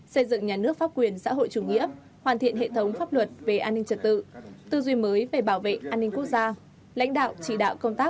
xây dựng nhà nước pháp quyền xã hội chủ nghĩa hoàn thiện hệ thống pháp luật về an ninh trật tự tư duy mới về bảo vệ an ninh quốc gia